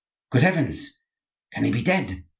"Good heavens! can he be dead?"